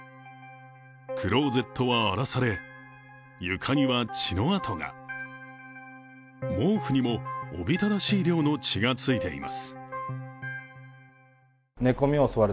クローゼットは荒らされ、床には血の跡が毛布にもおびただしい量の血がついています。